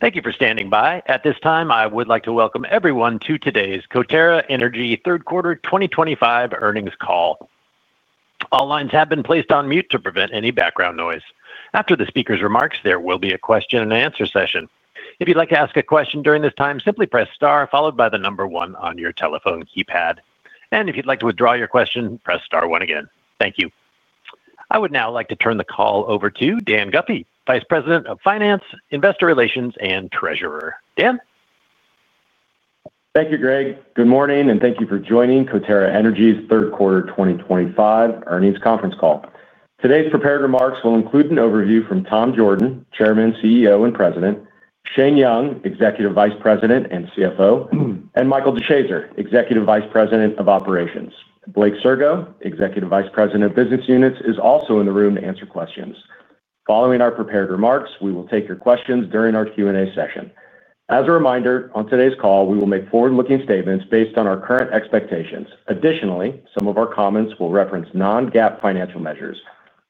Thank you for standing by. At this time, I would like to welcome everyone to today's Coterra Energy Third Quarter 2025 Earnings Call. All lines have been placed on mute to prevent any background noise. After the speaker's remarks, there will be a question-and-answer session. If you'd like to ask a question during this time, simply press star followed by the number one on your telephone keypad. And if you'd like to withdraw your question, press star one again. Thank you. I would now like to turn the call over to Dan Guffey, Vice President of Finance, Investor Relations, and Treasurer. Dan. Thank you, Greg. Good morning, and thank you for joining Coterra Energy's Third Quarter 2025 Earnings Conference Call. Today's prepared remarks will include an overview from Tom Jorden, Chairman, CEO, and President, Shane Young, Executive Vice President and CFO, and Michael DeShazer, Executive Vice President of Operations. Blake Sirgo, Executive Vice President of Business Units, is also in the room to answer questions. Following our prepared remarks, we will take your questions during our Q&A session. As a reminder, on today's call, we will make forward-looking statements based on our current expectations. Additionally, some of our comments will reference non-GAAP financial measures.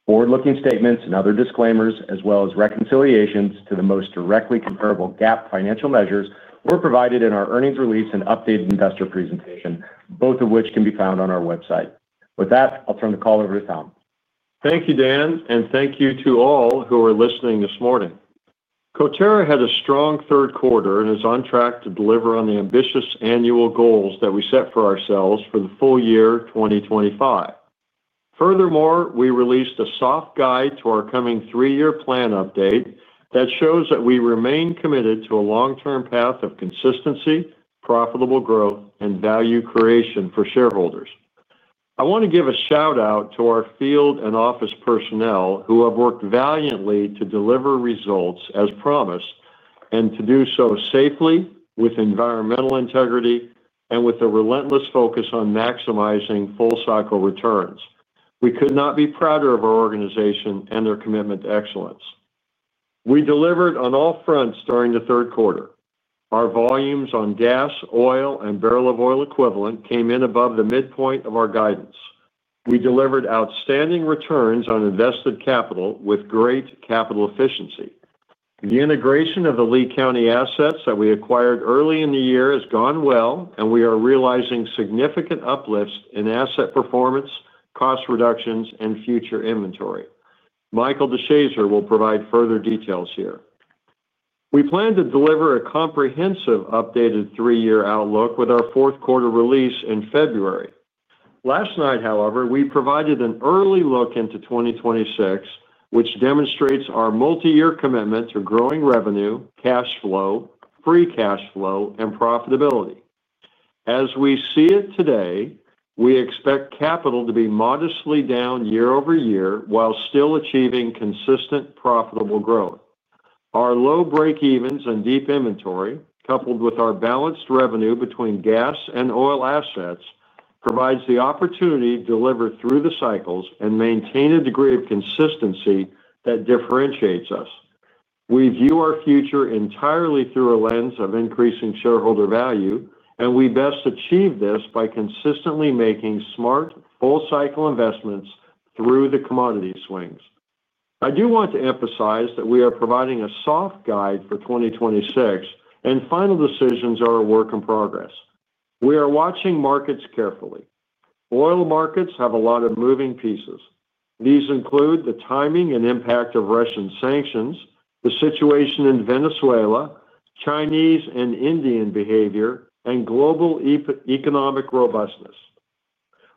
Forward-looking statements and other disclaimers, as well as reconciliations to the most directly comparable GAAP financial measures, were provided in our earnings release and updated investor presentation, both of which can be found on our website. With that, I'll turn the call over to Tom. Thank you, Dan, and thank you to all who are listening this morning. Coterra had a strong third quarter and is on track to deliver on the ambitious annual goals that we set for ourselves for the full year 2025. Furthermore, we released a soft guide to our coming three-year plan update that shows that we remain committed to a long-term path of consistency, profitable growth, and value creation for shareholders. I want to give a shout-out to our field and office personnel who have worked valiantly to deliver results as promised and to do so safely, with environmental integrity, and with a relentless focus on maximizing full-cycle returns. We could not be prouder of our organization and their commitment to excellence. We delivered on all fronts during the third quarter. Our volumes on gas, oil, and barrel of oil equivalent came in above the midpoint of our guidance. We delivered outstanding returns on invested capital with great capital efficiency. The integration of the Lea County assets that we acquired early in the year has gone well, and we are realizing significant uplifts in asset performance, cost reductions, and future inventory. Michael DeShazer will provide further details here. We plan to deliver a comprehensive updated three-year outlook with our fourth quarter release in February. Last night, however, we provided an early look into 2026, which demonstrates our multi-year commitment to growing revenue, cash flow, free cash flow, and profitability. As we see it today, we expect capital to be modestly down year-over-year while still achieving consistent profitable growth. Our low breakevens and deep inventory, coupled with our balanced revenue between gas and oil assets, provides the opportunity to deliver through the cycles and maintain a degree of consistency that differentiates us. We view our future entirely through a lens of increasing shareholder value, and we best achieve this by consistently making smart, full-cycle investments through the commodity swings. I do want to emphasize that we are providing a soft guide for 2026, and final decisions are a work in progress. We are watching markets carefully. Oil markets have a lot of moving pieces. These include the timing and impact of Russian sanctions, the situation in Venezuela, Chinese and Indian behavior, and global economic robustness.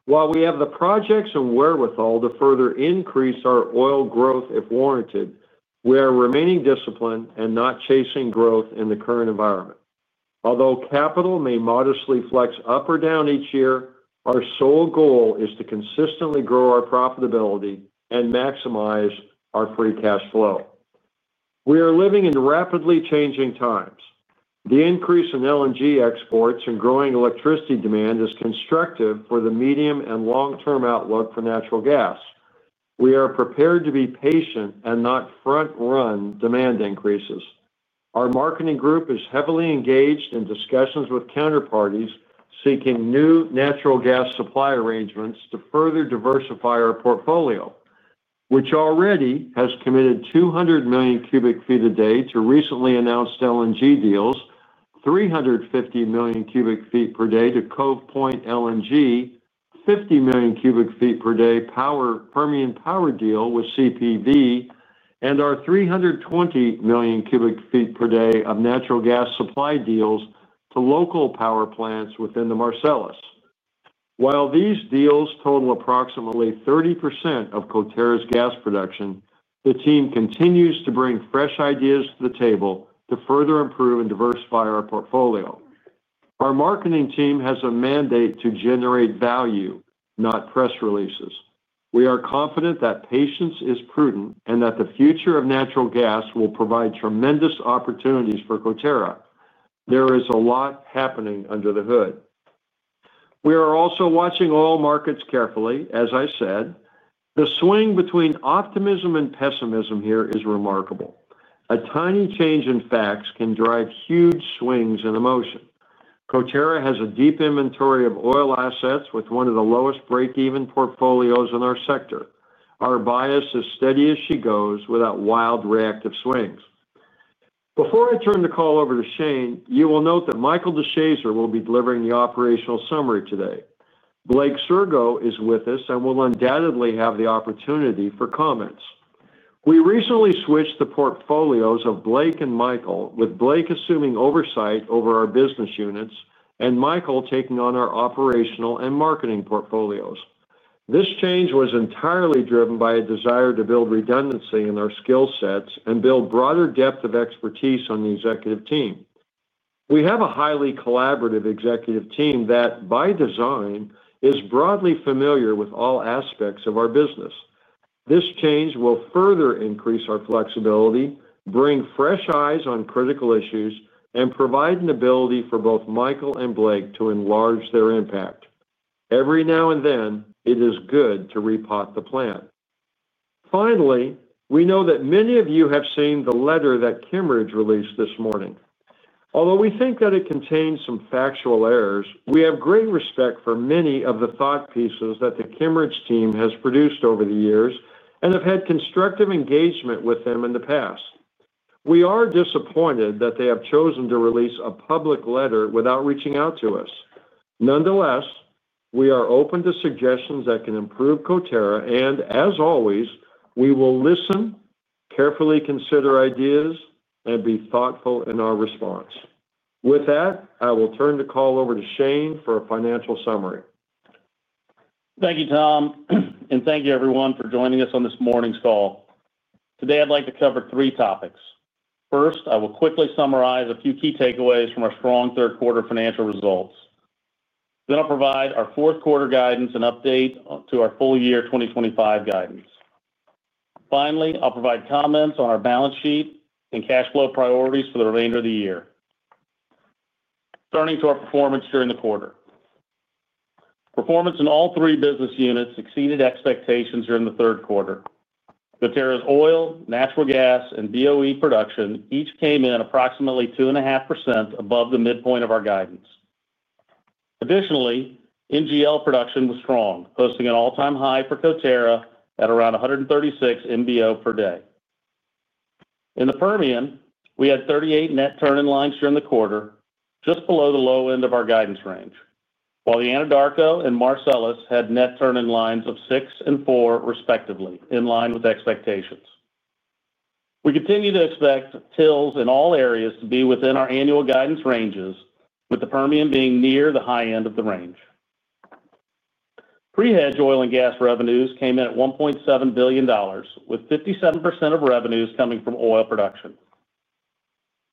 While we have the projects and wherewithal to further increase our oil growth if warranted, we are remaining disciplined and not chasing growth in the current environment. Although capital may modestly flex up or down each year, our sole goal is to consistently grow our profitability and maximize our free cash flow. We are living in rapidly changing times. The increase in LNG exports and growing electricity demand is constructive for the medium and long-term outlook for natural gas. We are prepared to be patient and not front-run demand increases. Our marketing group is heavily engaged in discussions with counterparties seeking new natural gas supply arrangements to further diversify our portfolio, which already has committed 200 million cu ft a day to recently announced LNG deals, 350 million cu ft per day to Cove Point LNG, 50 million cu ft per day Permian Power deal with CPV, and our 320 million cu ft per day of natural gas supply deals to local power plants within the Marcellus. While these deals total approximately 30% of Coterra's gas production, the team continues to bring fresh ideas to the table to further improve and diversify our portfolio. Our marketing team has a mandate to generate value, not press releases. We are confident that patience is prudent and that the future of natural gas will provide tremendous opportunities for Coterra. There is a lot happening under the hood. We are also watching oil markets carefully, as I said. The swing between optimism and pessimism here is remarkable. A tiny change in facts can drive huge swings in emotion. Coterra has a deep inventory of oil assets with one of the lowest breakeven portfolios in our sector. Our bias is steady as she goes without wild reactive swings. Before I turn the call over to Shane, you will note that Michael DeShazer will be delivering the operational summary today. Blake Sirgo is with us and will undoubtedly have the opportunity for comments. We recently switched the portfolios of Blake and Michael, with Blake assuming oversight over our business units and Michael taking on our operational and marketing portfolios. This change was entirely driven by a desire to build redundancy in our skill sets and build broader depth of expertise on the Executive Team. We have a highly collaborative executive team that, by design, is broadly familiar with all aspects of our business. This change will further increase our flexibility, bring fresh eyes on critical issues, and provide an ability for both Michael and Blake to enlarge their impact. Every now and then, it is good to repot the plant. Finally, we know that many of you have seen the letter that Cambridge released this morning. Although we think that it contains some factual errors, we have great respect for many of the thought pieces that the Cambridge team has produced over the years and have had constructive engagement with them in the past. We are disappointed that they have chosen to release a public letter without reaching out to us. Nonetheless, we are open to suggestions that can improve Coterra and, as always, we will listen, carefully consider ideas, and be thoughtful in our response. With that, I will turn the call over to Shane for a financial summary. Thank you, Tom. And thank you, everyone, for joining us on this morning's call. Today, I'd like to cover three topics. First, I will quickly summarize a few key takeaways from our strong Third Quarter Financial Results. Then I'll provide our Fourth Quarter guidance and update to our full year 2025 guidance. Finally, I'll provide comments on our balance sheet and cash flow priorities for the remainder of the year. Turning to our performance during the quarter. Performance in all three business units exceeded expectations during the third quarter. Coterra's oil, natural gas, and BOE production each came in approximately 2.5% above the midpoint of our guidance. Additionally, NGL production was strong, posting an all-time high for Coterra at around 136 MBbl per day. In the Permian, we had 38 net turn-in lines during the quarter, just below the low end of our guidance range, while the Anadarko and Marcellus had net turn-in lines of six and four, respectively, in line with expectations. We continue to expect TILs in all areas to be within our annual guidance ranges, with the Permian being near the high end of the range. Pre-hedge oil and gas revenues came in at $1.7 billion, with 57% of revenues coming from oil production.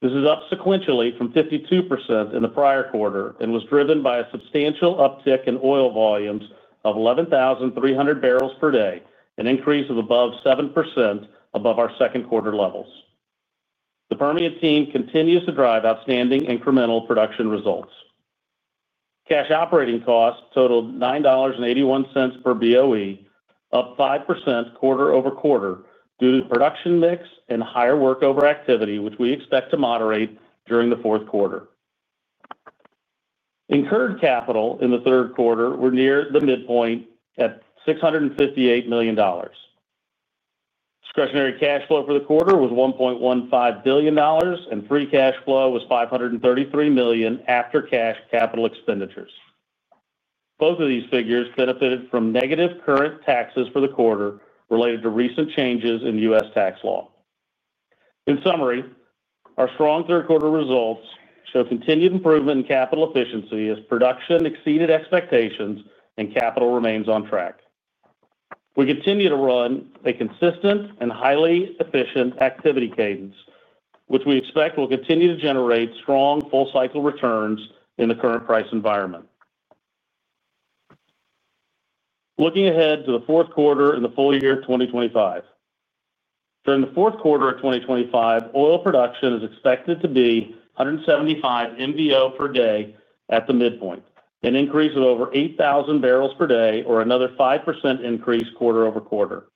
This is up sequentially from 52% in the prior quarter and was driven by a substantial uptick in oil volumes of 11,300 barrels per day, an increase of above 7% above our Second Quarter levels. The Permian team continues to drive outstanding incremental production results. Cash operating costs totaled $9.81 per BOE, up 5% quarter-over-quarter due to production mix and higher workover activity, which we expect to moderate during the fourth quarter. Incurred capital in the third quarter was near the midpoint at $658 million. Discretionary cash flow for the quarter was $1.15 billion, and free cash flow was $533 million after cash capital expenditures. Both of these figures benefited from negative current taxes for the quarter related to recent changes in U.S. tax law. In summary, our strong third-quarter results show continued improvement in capital efficiency as production exceeded expectations and capital remains on track. We continue to run a consistent and highly efficient activity cadence, which we expect will continue to generate strong full-cycle returns in the current price environment. Looking ahead to the fourth quarter and the full year 2025. During the fourth quarter of 2024, oil production is expected to be 175 MBbl per day at the midpoint, an increase of over 8,000 barrels per day, or another 5% increase quarter-over-quarter.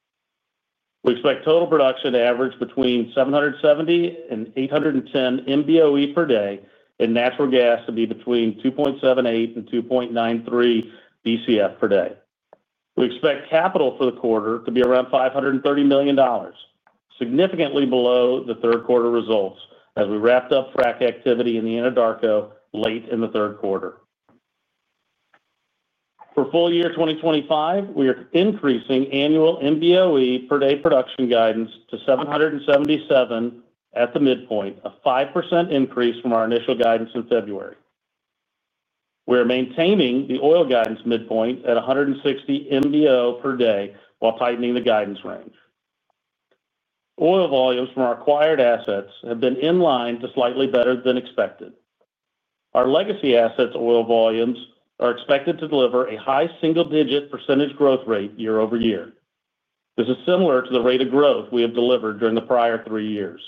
We expect total production to average between 770 and 810 MBOE per day, and natural gas to be between 2.78 and 2.93 Bcf per day. We expect capital for the quarter to be around $530 million, significantly below the third-quarter results as we wrapped up frac activity in the Anadarko late in the third quarter. For full year 2025, we are increasing annual MBOE per day production guidance to 777 at the midpoint, a 5% increase from our initial guidance in February. We are maintaining the oil guidance midpoint at 160 MBO per day while tightening the guidance range. Oil volumes from our acquired assets have been in line to slightly better than expected. Our legacy assets' oil volumes are expected to deliver a high single-digit percentage growth rate year-over-year. This is similar to the rate of growth we have delivered during the prior three years.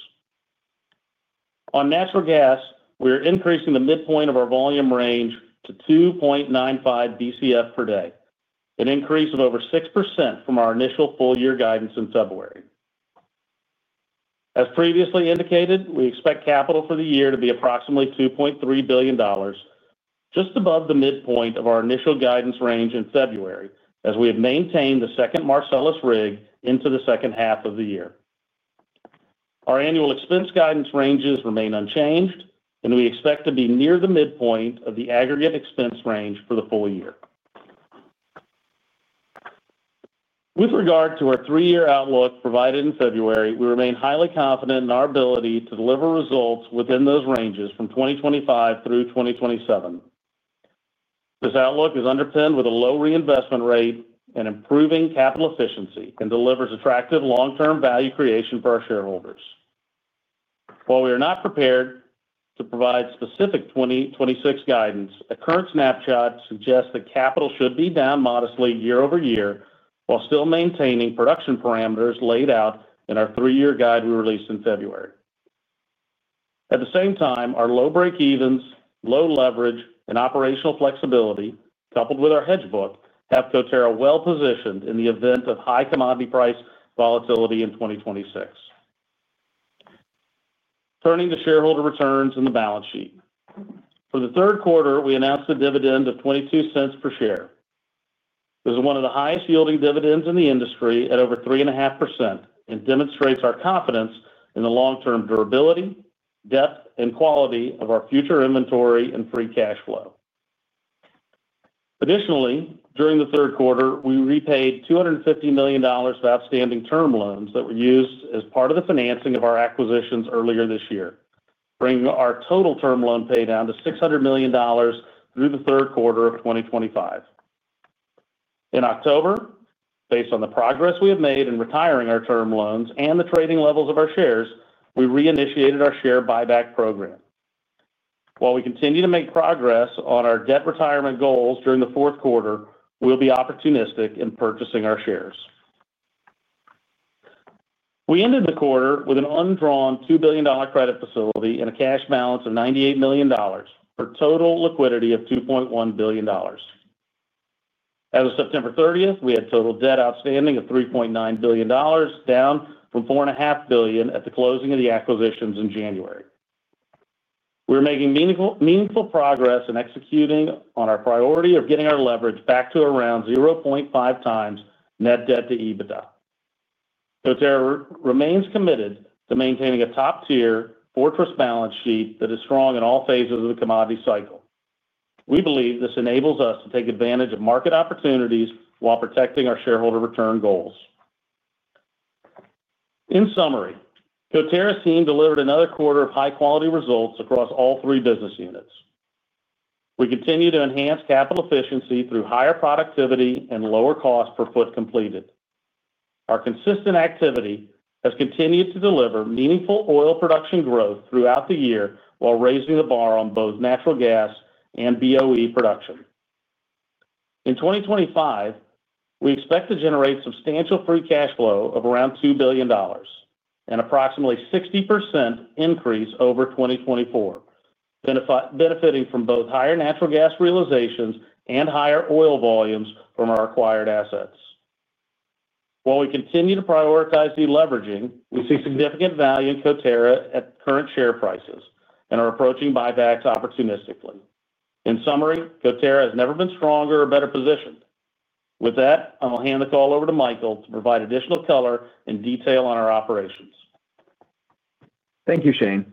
On natural gas, we are increasing the midpoint of our volume range to 2.95 Bcf per day, an increase of over 6% from our initial full year guidance in February. As previously indicated, we expect capital for the year to be approximately $2.3 billion. Just above the midpoint of our initial guidance range in February, as we have maintained the second Marcellus rig into the second half of the year. Our annual expense guidance ranges remain unchanged, and we expect to be near the midpoint of the aggregate expense range for the full year. With regard to our three-year outlook provided in February, we remain highly confident in our ability to deliver results within those ranges from 2025 through 2027. This outlook is underpinned with a low reinvestment rate and improving capital efficiency and delivers attractive long-term value creation for our shareholders. While we are not prepared to provide specific 2026 guidance, a current snapshot suggests that capital should be down modestly year-over-year while still maintaining production parameters laid out in our three-year guide we released in February. At the same time, our low breakevens, low leverage, and operational flexibility, coupled with our hedge book, have Coterra well positioned in the event of high commodity price volatility in 2026. Turning to shareholder returns and the balance sheet. For the Third Quarter, we announced a dividend of $0.22 per share. This is one of the highest-yielding dividends in the industry at over 3.5% and demonstrates our confidence in the long-term durability, depth, and quality of our future inventory and free cash flow. Additionally, during the third quarter, we repaid $250 million of outstanding term loans that were used as part of the financing of our acquisitions earlier this year, bringing our total term loan pay down to $600 million through the third quarter of 2025. In October, based on the progress we have made in retiring our term loans and the trading levels of our shares, we reinitiated our share buyback program. While we continue to make progress on our debt retirement goals during the fourth quarter, we'll be opportunistic in purchasing our shares. We ended the quarter with an undrawn $2 billion credit facility and a cash balance of $98 million, for total liquidity of $2.1 billion. As of September 30th, we had total debt outstanding of $3.9 billion, down from $4.5 billion at the closing of the acquisitions in January. We are making meaningful progress in executing on our priority of getting our leverage back to around 0.5x net debt to EBITDA. Coterra remains committed to maintaining a top-tier fortress balance sheet that is strong in all phases of the commodity cycle. We believe this enables us to take advantage of market opportunities while protecting our shareholder return goals. In summary, Coterra's team delivered another quarter of high-quality results across all three business units. We continue to enhance capital efficiency through higher productivity and lower cost per foot completed. Our consistent activity has continued to deliver meaningful oil production growth throughout the year while raising the bar on both natural gas and BOE production. In 2025, we expect to generate substantial free cash flow of around $2 billion, an approximately 60% increase over 2024. Benefiting from both higher natural gas realizations and higher oil volumes from our acquired assets. While we continue to prioritize deleveraging, we see significant value in Coterra at current share prices and are approaching buybacks opportunistically. In summary, Coterra has never been stronger or better positioned. With that, I'll hand the call over to Michael to provide additional color and detail on our operations. Thank you, Shane.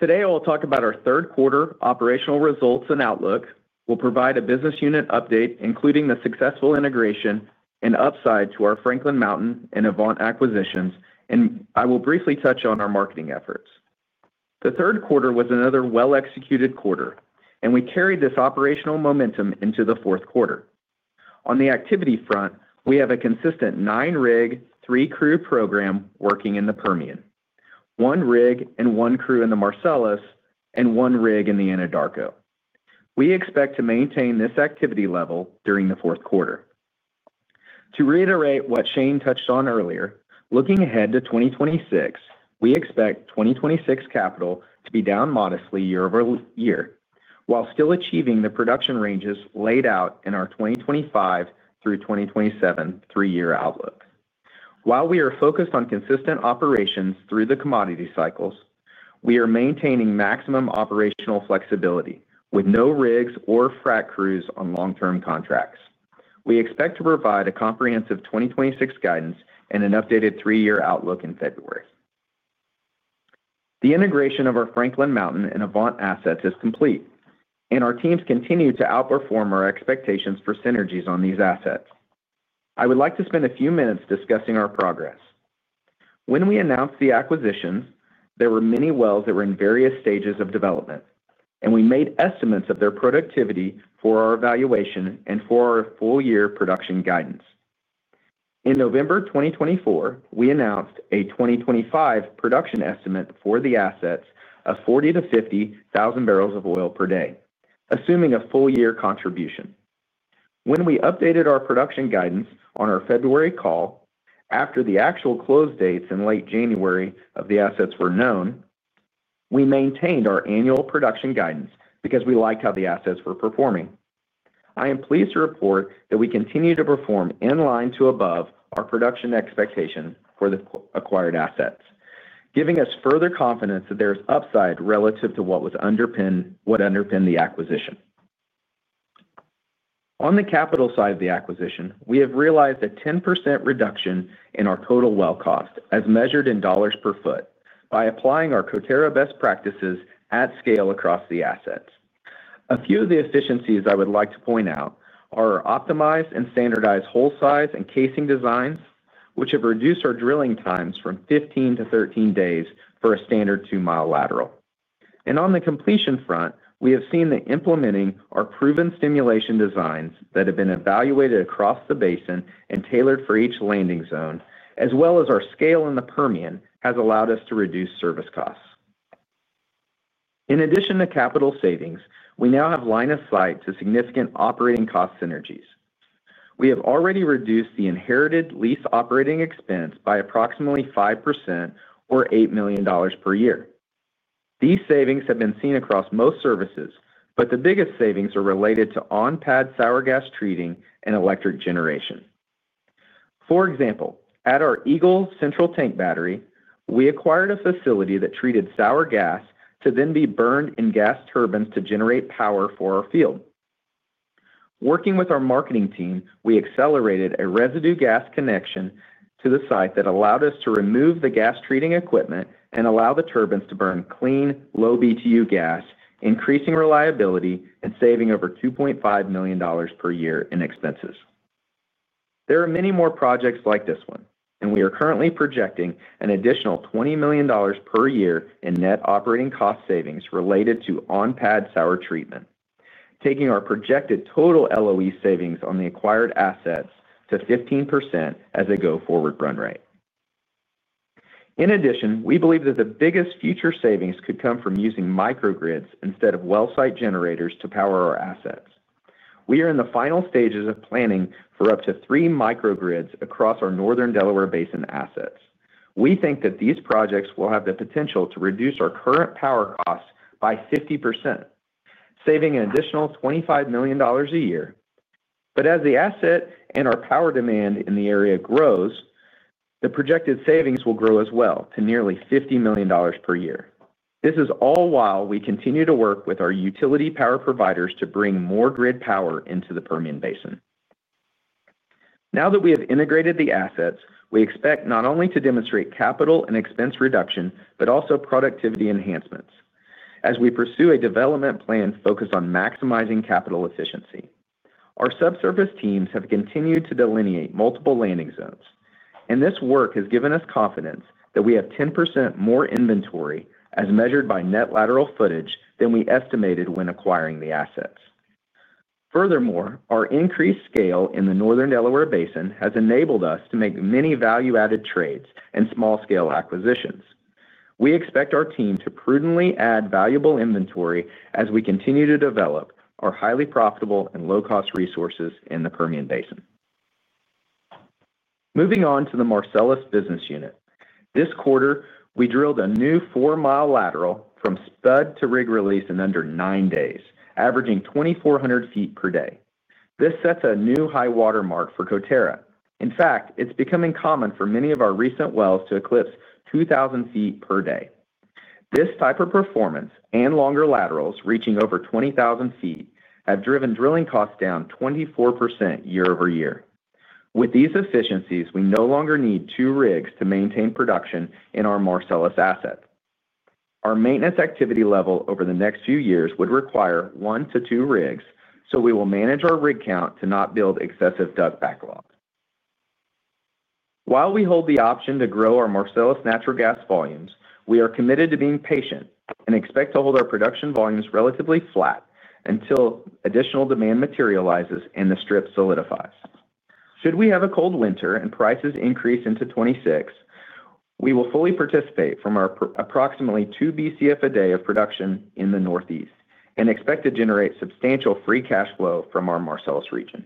Today, I will talk about our third quarter operational results and outlook. We'll provide a business unit update, including the successful integration and upside to our Franklin Mountain and Avant acquisitions, and I will briefly touch on our marketing efforts. The third quarter was another well-executed quarter, and we carried this operational momentum into the fourth quarter. On the activity front, we have a consistent nine-rig, three-crew program working in the Permian, one rig and one crew in the Marcellus, and one rig in the Anadarko. We expect to maintain this activity level during the fourth quarter. To reiterate what Shane touched on earlier, looking ahead to 2026, we expect 2026 capital to be down modestly year-over-year, while still achieving the production ranges laid out in our 2025 through 2027 three-year outlook. While we are focused on consistent operations through the commodity cycles, we are maintaining maximum operational flexibility with no rigs or frac crews on long-term contracts. We expect to provide a comprehensive 2026 guidance and an updated three-year outlook in February. The integration of our Franklin Mountain and Avant assets is complete, and our teams continue to outperform our expectations for synergies on these assets. I would like to spend a few minutes discussing our progress. When we announced the acquisitions, there were many wells that were in various stages of development, and we made estimates of their productivity for our evaluation and for our full-year production guidance. In November 2024, we announced a 2025 production estimate for the assets of 40,000-50,000 barrels of oil per day, assuming a full-year contribution. When we updated our production guidance on our February call, after the actual close dates in late January of the assets were known. We maintained our annual production guidance because we liked how the assets were performing. I am pleased to report that we continue to perform in line to above our production expectation for the acquired assets, giving us further confidence that there is upside relative to what underpinned the acquisition. On the capital side of the acquisition, we have realized a 10% reduction in our total well cost, as measured in $ per foot, by applying our Coterra best practices at scale across the assets. A few of the efficiencies I would like to point out are optimized and standardized hole size and casing designs, which have reduced our drilling times from 15 to 13 days for a standard two-mile lateral. And on the completion front, we have seen that implementing our proven stimulation designs that have been evaluated across the basin and tailored for each landing zone, as well as our scale in the Permian, has allowed us to reduce service costs. In addition to capital savings, we now have line of sight to significant operating cost synergies. We have already reduced the inherited lease operating expense by approximately 5% or $8 million per year. These savings have been seen across most services, but the biggest savings are related to on-pad sour gas treating and electric generation. For example, at our Eagle Central Tank Battery, we acquired a facility that treated sour gas to then be burned in gas turbines to generate power for our field. Working with our marketing team, we accelerated a residue gas connection to the site that allowed us to remove the gas treating equipment and allow the turbines to burn clean, low-BTU gas, increasing reliability and saving over $2.5 million per year in expenses. There are many more projects like this one, and we are currently projecting an additional $20 million per year in net operating cost savings related to on-pad sour treatment, taking our projected total LOE savings on the acquired assets to 15% as a go-forward run rate. In addition, we believe that the biggest future savings could come from using microgrids instead of well-site generators to power our assets. We are in the final stages of planning for up to three microgrids across our Northern Delaware Basin assets. We think that these projects will have the potential to reduce our current power costs by 50%, saving an additional $25 million a year, but as the asset and our power demand in the area grows, the projected savings will grow as well to nearly $50 million per year. This is all while we continue to work with our utility power providers to bring more grid power into the Permian Basin. Now that we have integrated the assets, we expect not only to demonstrate capital and expense reduction, but also productivity enhancements as we pursue a development plan focused on maximizing capital efficiency. Our subservice teams have continued to delineate multiple landing zones, and this work has given us confidence that we have 10% more inventory, as measured by net lateral footage, than we estimated when acquiring the assets. Furthermore, our increased scale in the Northern Delaware Basin has enabled us to make many value-added trades and small-scale acquisitions. We expect our team to prudently add valuable inventory as we continue to develop our highly profitable and low-cost resources in the Permian Basin. Moving on to the Marcellus business unit. This quarter, we drilled a new four-mile lateral from spud to rig release in under nine days, averaging 2,400 feet per day. This sets a new high-water mark for Coterra. In fact, it's becoming common for many of our recent wells to eclipse 2,000 feet per day. This type of performance and longer laterals reaching over 20,000 feet have driven drilling costs down 24% year-over-year. With these efficiencies, we no longer need two rigs to maintain production in our Marcellus asset. Our maintenance activity level over the next few years would require one to two rigs, so we will manage our rig count to not build excessive DUC backlog. While we hold the option to grow our Marcellus natural gas volumes, we are committed to being patient and expect to hold our production volumes relatively flat until additional demand materializes and the strip solidifies. Should we have a cold winter and prices increase into 2026, we will fully participate from our approximately two Bcf a day of production in the northeast and expect to generate substantial free cash flow from our Marcellus region.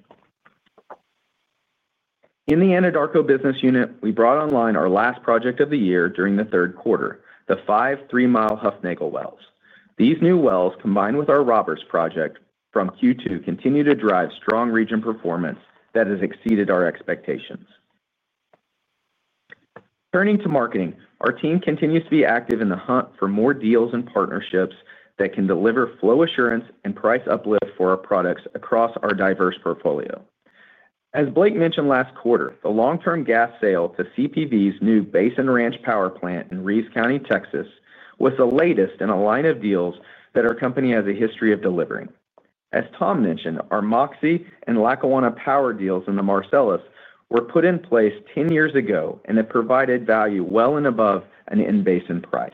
In the Anadarko business unit, we brought online our last project of the year during the third quarter, the five three-mile Huffnagle wells. These new wells, combined with our Roberts project from Q2, continue to drive strong region performance that has exceeded our expectations. Turning to marketing, our team continues to be active in the hunt for more deals and partnerships that can deliver flow assurance and price uplift for our products across our diverse portfolio. As Blake mentioned last quarter, the long-term gas sale to CPV's new Basin Ranch Power Plant in Reeves County, Texas, was the latest in a line of deals that our company has a history of delivering. As Tom mentioned, our Moxie and Lackawanna Power deals in the Marcellus were put in place 10 years ago, and it provided value well and above an in-basin price.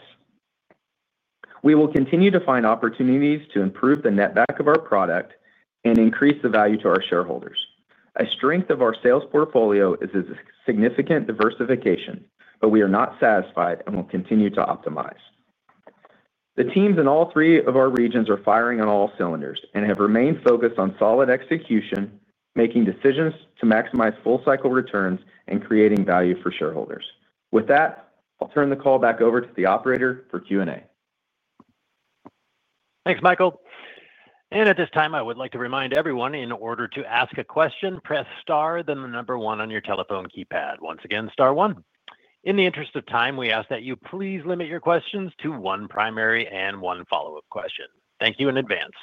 We will continue to find opportunities to improve the net back of our product and increase the value to our shareholders. A strength of our sales portfolio is its significant diversification, but we are not satisfied and will continue to optimize. The teams in all three of our regions are firing on all cylinders and have remained focused on solid execution, making decisions to maximize full-cycle returns and creating value for shareholders. With that, I'll turn the call back over to the operator for Q&A. Thanks, Michael. And at this time, I would like to remind everyone in order to ask a question, press Star, then the number one on your telephone keypad. Once again, Star one. In the interest of time, we ask that you please limit your questions to one primary and one follow-up question. Thank you in advance.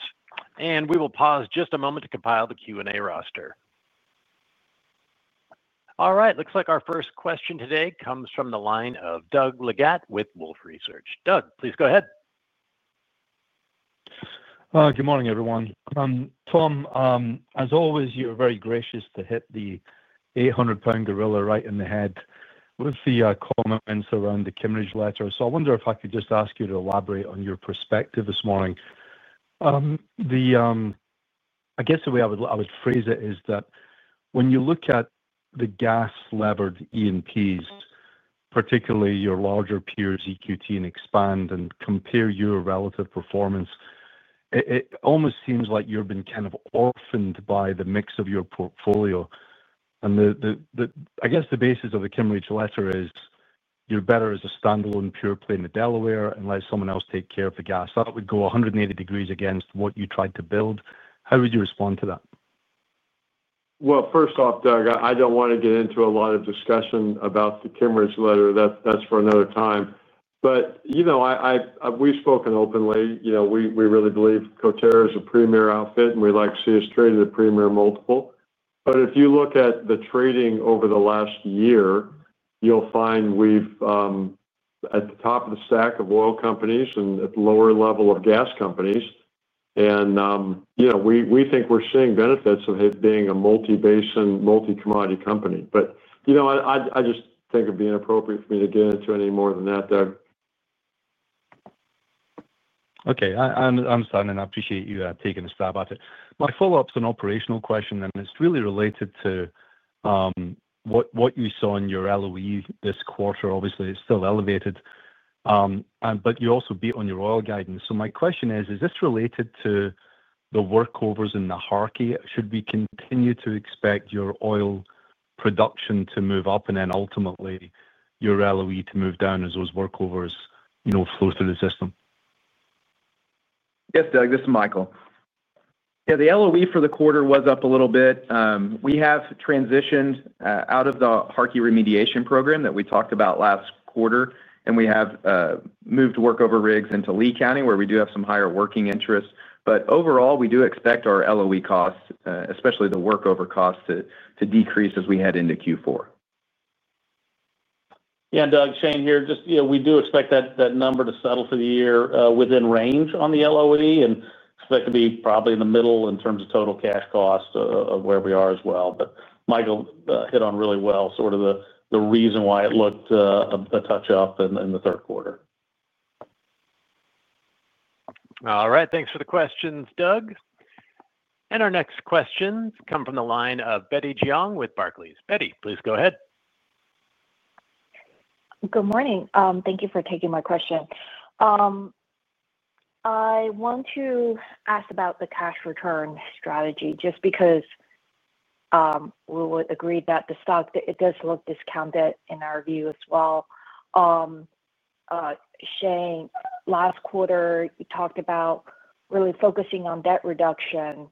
And we will pause just a moment to compile the Q&A roster. All right, looks like our first question today comes from the line of Doug Leggate with Wolfe Research. Doug, please go ahead. Good morning, everyone. Tom, as always, you're very gracious to hit the 800-pound gorilla right in the head with the comments around the Cambridge letter. So I wonder if I could just ask you to elaborate on your perspective this morning. I guess the way I would phrase it is that when you look at the gas-levered E&Ps, particularly your larger peers, EQT and Antero, and compare your relative performance, it almost seems like you've been kind of orphaned by the mix of your portfolio. And I guess the basis of the Cambridge letter is you're better as a standalone pure play in the Delaware and let someone else take care of the gas. That would go 180 degrees against what you tried to build. How would you respond to that? First off, Doug, I don't want to get into a lot of discussion about the Cambridge letter. That's for another time. But we've spoken openly. We really believe Coterra is a premier outfit, and we like to see us traded at a premier multiple. But if you look at the trading over the last year, you'll find we've at the top of the stack of oil companies and at the lower level of gas companies. And we think we're seeing benefits of it being a multi-basin, multi-commodity company. But I just think it'd be inappropriate for me to get into any more than that, Doug. Okay. I understand, and I appreciate you taking a stab at it. My follow-up's an operational question, and it's really related to what you saw in your LOE this quarter. Obviously, it's still elevated. But you also beat on your oil guidance. So my question is, is this related to the workovers in the Harkey? Should we continue to expect your oil production to move up and then ultimately your LOE to move down as those workovers flow through the system? Yes, Doug, this is Michael. Yeah, the LOE for the quarter was up a little bit. We have transitioned out of the Harkey remediation program that we talked about last quarter, and we have moved workover rigs into Lea County where we do have some higher working interest. But overall, we do expect our LOE costs, especially the workover costs, to decrease as we head into Q4. Yeah, Doug, Shane here. We do expect that number to settle for the year within range on the LOE and expect to be probably in the middle in terms of total cash cost of where we are as well. But Michael hit on really well sort of the reason why it looked a touch-up in the third quarter. All right, thanks for the questions, Doug. And our next questions come from the line of Betty Jiang with Barclays. Betty, please go ahead. Good morning. Thank you for taking my question. I want to ask about the cash return strategy just because. We agreed that the stock, it does look discounted in our view as well. Shane, last quarter, you talked about really focusing on debt reduction,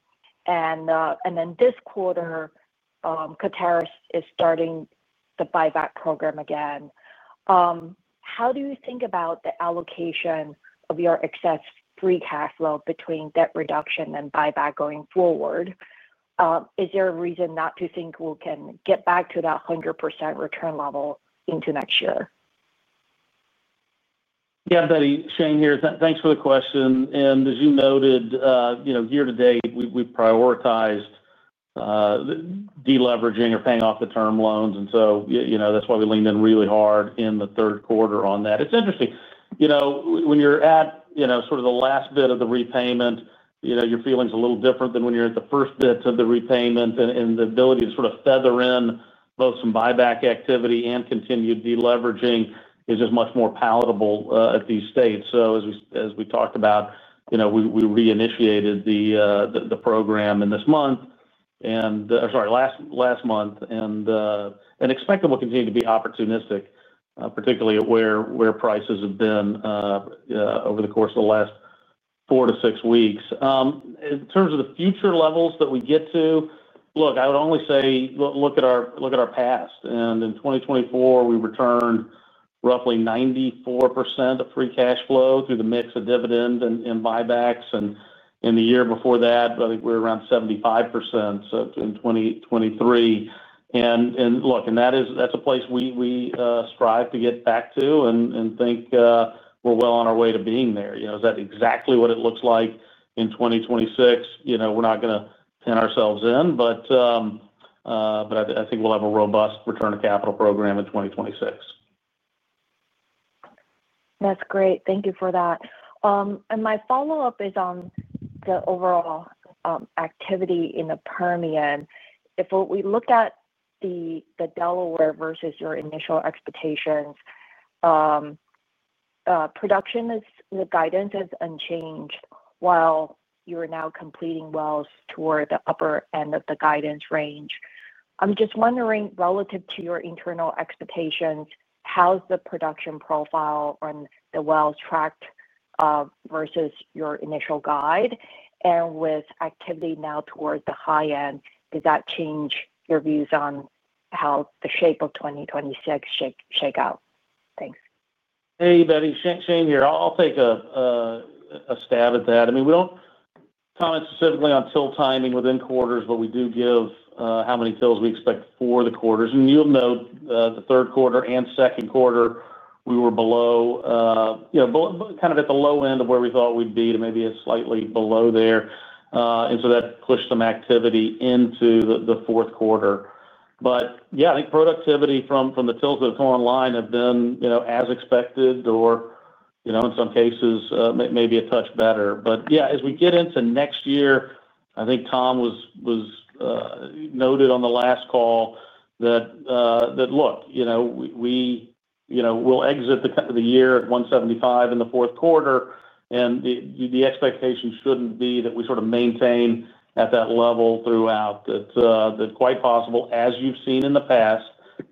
and then this quarter. Coterra is starting the buyback program again. How do you think about the allocation of your excess free cash flow between debt reduction and buyback going forward? Is there a reason not to think we can get back to that 100% return level into next year? Yeah, Betty, Shane here. Thanks for the question. And as you noted, year-to-date, we've prioritized deleveraging or paying off the term loans. And so that's why we leaned in really hard in the third quarter on that. It's interesting. When you're at sort of the last bit of the repayment, your feeling's a little different than when you're at the first bit of the repayment. And the ability to sort of feather in both some buyback activity and continued deleveraging is just much more palatable at this stage. So as we talked about, we reinitiated the program in this month. And sorry, last month. And expect them to continue to be opportunistic, particularly at where prices have been over the course of the last four-to-six weeks. In terms of the future levels that we get to, look, I would only say look at our past. And in 2024, we returned roughly 94% of free cash flow through the mix of dividends and buybacks. And in the year before that, I think we were around 75% in 2023. And look, that's a place we strive to get back to and think we're well on our way to being there. Is that exactly what it looks like in 2026? We're not going to pin ourselves in, but I think we'll have a robust return to capital program in 2026. That's great. Thank you for that. And my follow-up is on the overall activity in the Permian. If we look at the Delaware versus your initial expectations, production guidance is unchanged while you are now completing wells toward the upper end of the guidance range. I'm just wondering, relative to your internal expectations, how's the production profile on the wells tracked versus your initial guide? And with activity now towards the high end, does that change your views on how the shape of 2026 should shake out? Thanks. Hey, Betty, Shane here. I'll take a stab at that. I mean, we don't comment specifically on TIL timing within quarters, but we do give how many TILs we expect for the quarters. And you'll note the third quarter and second quarter, we were below kind of at the low end of where we thought we'd be to maybe a slightly below there. And so that pushed some activity into the fourth quarter. But yeah, I think productivity from the TILs that have come online have been as expected or in some cases, maybe a touch better. But yeah, as we get into next year, I think Tom was noted on the last call that look, we will exit the year at 175 in the fourth quarter, and the expectation shouldn't be that we sort of maintain at that level throughout. It's quite possible, as you've seen in the past,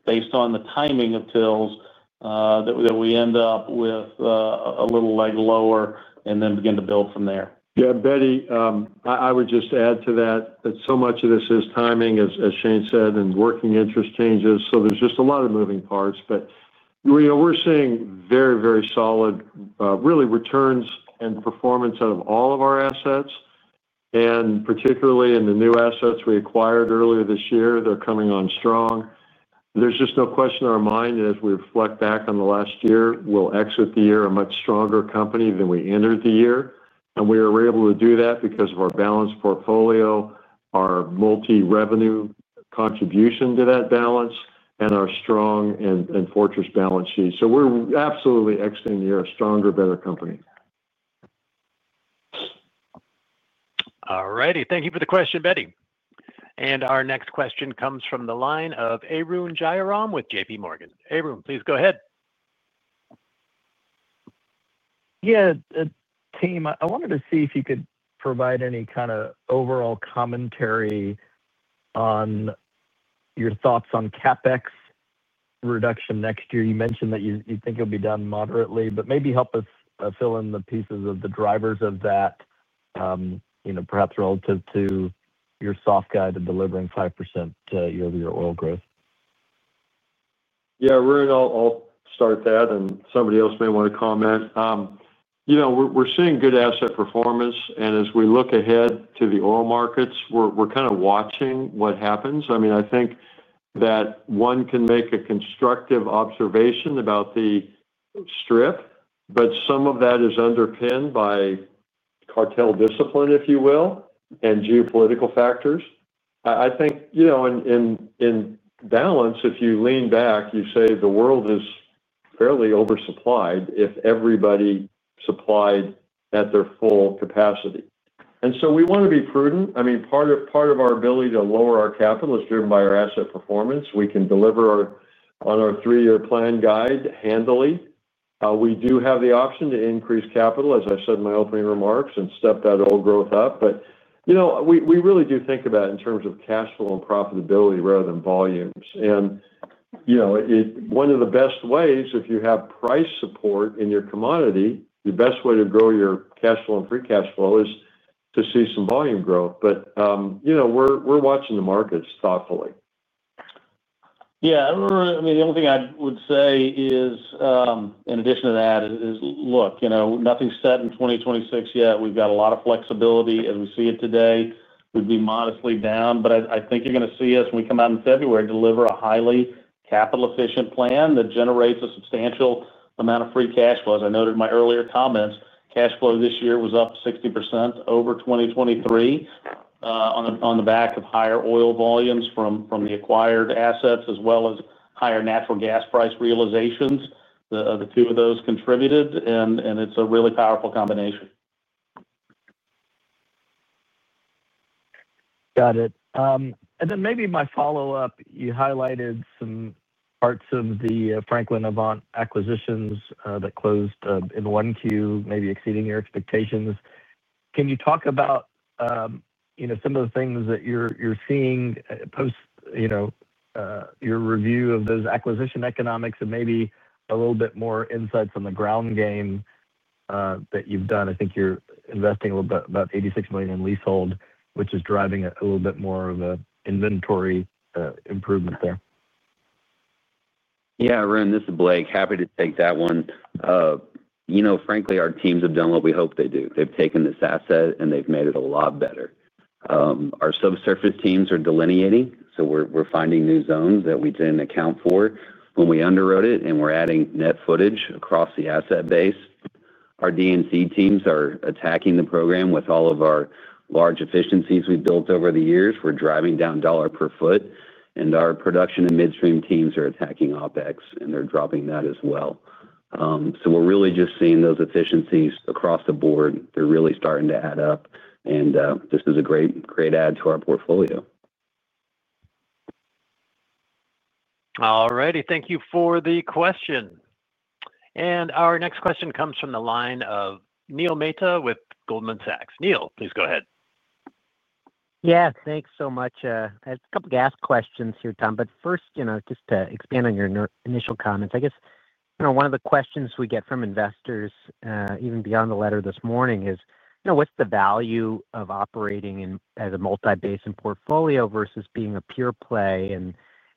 based on the timing of TILs that we end up with a little leg lower and then begin to build from there. Yeah, Betty, I would just add to that that so much of this is timing, as Shane said, and working interest changes. So there's just a lot of moving parts. But we're seeing very, very solid, really, returns and performance out of all of our assets. And particularly in the new assets we acquired earlier this year, they're coming on strong. There's just no question in our mind that as we reflect back on the last year, we'll exit the year a much stronger company than we entered the year. And we were able to do that because of our balanced portfolio, our multi-revenue contribution to that balance, and our strong and fortress balance sheet. So we're absolutely exiting the year a stronger, better company. All righty. Thank you for the question, Betty. And our next question comes from the line of Arun Jayaram with JPMorgan. Arun, please go ahead. Yeah, team, I wanted to see if you could provide any kind of overall commentary on your thoughts on CapEx reduction next year. You mentioned that you think it'll be done moderately, but maybe help us fill in the pieces of the drivers of that. Perhaps relative to your soft guide of delivering 5% year-over-year oil growth. Yeah, Arun, I'll start that, and somebody else may want to comment. We're seeing good asset performance. And as we look ahead to the oil markets, we're kind of watching what happens. I mean, I think that one can make a constructive observation about the strip, but some of that is underpinned by cartel discipline, if you will, and geopolitical factors. I think in balance, if you lean back, you say the world is fairly oversupplied if everybody supplied at their full capacity. And so we want to be prudent. I mean, part of our ability to lower our capital is driven by our asset performance. We can deliver on our three-year plan guide handily. We do have the option to increase capital, as I said in my opening remarks, and step that oil growth up. But we really do think about it in terms of cash flow and profitability rather than volumes. And one of the best ways, if you have price support in your commodity, the best way to grow your cash flow and free cash flow is to see some volume growth. But we're watching the markets thoughtfully. Yeah. I mean, the only thing I would say is. In addition to that, is look, nothing's set in 2026 yet. We've got a lot of flexibility as we see it today. We'd be modestly down. But I think you're going to see us when we come out in February deliver a highly capital-efficient plan that generates a substantial amount of free cash flow. As I noted in my earlier comments, cash flow this year was up 60% over 2023. On the back of higher oil volumes from the acquired assets as well as higher natural gas price realizations. The two of those contributed, and it's a really powerful combination. Got it. And then maybe my follow-up, you highlighted some parts of the Franklin Mountain and Avant acquisitions that closed in 1Q, maybe exceeding your expectations. Can you talk about some of the things that you're seeing post your review of those acquisition economics and maybe a little bit more insights on the ground game that you've done? I think you're investing a little bit about $86 million in leasehold, which is driving a little bit more of an inventory improvement there. Yeah, Arun, this is Blake. Happy to take that one. Frankly, our teams have done what we hope they do. They've taken this asset, and they've made it a lot better. Our subsurface teams are delineating, so we're finding new zones that we didn't account for when we underwrote it, and we're adding net footage across the asset base. Our D&C teams are attacking the program with all of our large efficiencies we've built over the years. We're driving down dollar per foot, and our production and midstream teams are attacking OpEx, and they're dropping that as well, so we're really just seeing those efficiencies across the board. They're really starting to add up, and this is a great add to our portfolio. All righty. Thank you for the question. And our next question comes from the line of Neil Mehta with Goldman Sachs. Neil, please go ahead. Yeah, thanks so much. A couple of gas questions here, Tom. But first, just to expand on your initial comments, I guess one of the questions we get from investors, even beyond the letter this morning, is what's the value of operating as a multi-basin portfolio versus being a pure play?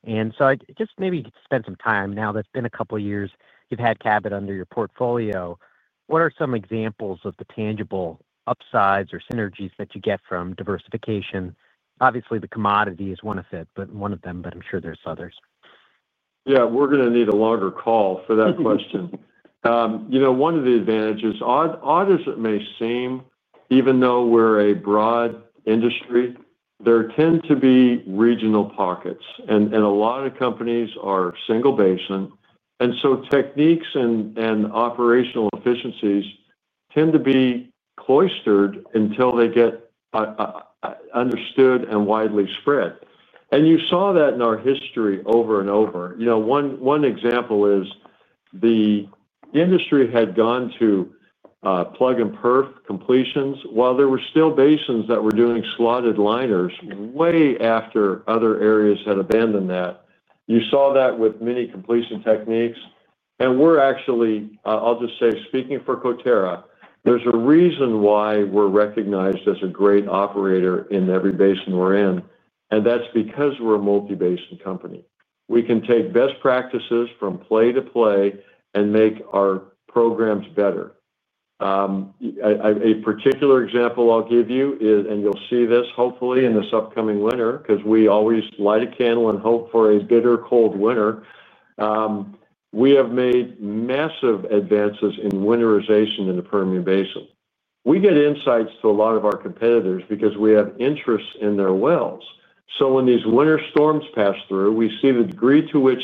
And so just maybe spend some time now that it's been a couple of years you've had Cabot under your portfolio. What are some examples of the tangible upsides or synergies that you get from diversification? Obviously, the commodity is one of them, but I'm sure there's others. Yeah, we're going to need a longer call for that question. One of the advantages, odd as it may seem, even though we're a broad industry, there tend to be regional pockets, and a lot of companies are single basin. And so techniques and operational efficiencies tend to be cloistered until they get understood and widely spread. And you saw that in our history over and over. One example is the industry had gone to plug and perf completions while there were still basins that were doing slotted liners way after other areas had abandoned that. You saw that with many completion techniques. And we're actually, I'll just say, speaking for Coterra, there's a reason why we're recognized as a great operator in every basin we're in. And that's because we're a multi-basin company. We can take best practices from play to play and make our programs better. A particular example I'll give you, and you'll see this hopefully in this upcoming winter, because we always light a candle and hope for a bitter cold winter. We have made massive advances in winterization in the Permian Basin. We get insights to a lot of our competitors because we have interests in their wells. So when these winter storms pass through, we see the degree to which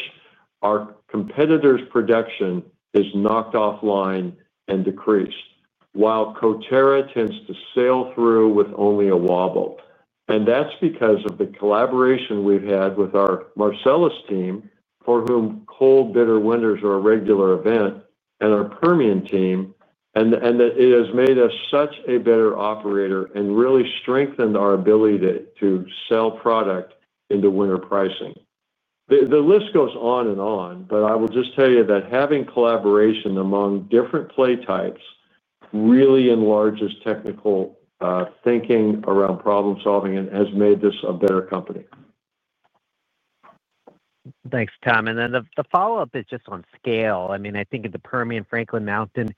our competitors' production is knocked offline and decreased, while Coterra tends to sail through with only a wobble. And that's because of the collaboration we've had with our Marcellus team, for whom cold, bitter winters are a regular event, and our Permian team. And that it has made us such a better operator and really strengthened our ability to sell product into winter pricing. The list goes on and on, but I will just tell you that having collaboration among different play types really enlarges technical thinking around problem-solving and has made this a better company. Thanks, Tom. And then the follow-up is just on scale. I mean, I think the Permian-Franklin Mountain